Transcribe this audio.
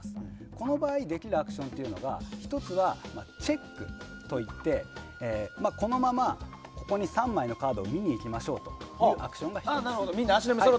この場合できるアクションは１つがチェックといってこのままここに３枚のカードを見に行きましょうというアクションが１つ。